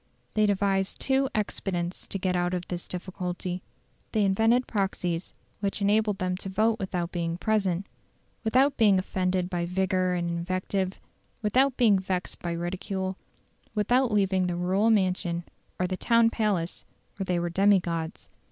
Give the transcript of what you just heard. They devised two expedients to get out of this difficulty: they invented proxies which enabled them to vote without being present, without being offended by vigour and invective, without being vexed by ridicule, without leaving the rural mansion or the town palace where they were demigods.